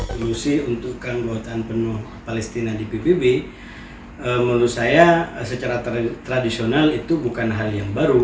solusi untuk keanggotaan penuh palestina di pbb menurut saya secara tradisional itu bukan hal yang baru